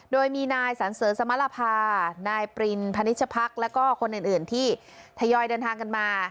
โดยมีนายสันเสริญสมรภานายปรินพนิชพักแล้วก็คนอื่นที่ทยอยเดินทางกันมา